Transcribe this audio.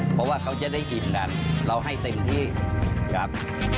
เพราะว่าเขาจะได้กินกันเราให้เต็มที่ครับ